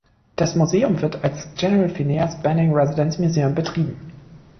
Das Museum wird als General Phineas Banning Residence Museum betrieben.